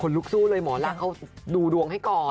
ลุกสู้เลยหมอรักเขาดูดวงให้ก่อน